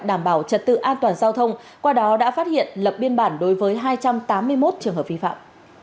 đảm bảo trật tự an toàn giao thông qua đó đã phát hiện lập biên bản đối với hai trăm tám mươi một trường hợp vi phạm